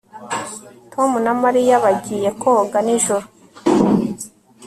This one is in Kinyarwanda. Tom na Mariya bagiye koga nijoro